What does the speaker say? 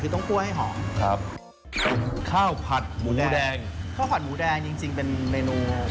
คือกลิ่นกระทะคือกลิ่นคั่ว